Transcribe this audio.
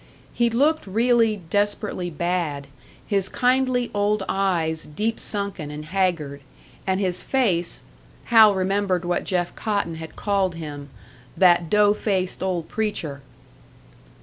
He looked really desperately bad, his kindly old eyes deep sunken and haggard, and his face Hal remembered what Jeff Cotton had called him, "that dough faced old preacher!"